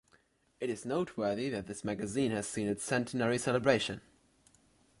It is noteworthy that this magazine has seen its centenary celebration.